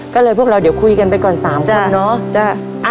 ก็เลยพวกเราเดี๋ยวคุยกันไปก่อน๓คนเนาะ